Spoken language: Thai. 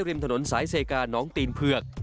ริมถนนสายเซกาน้องตีนเผือก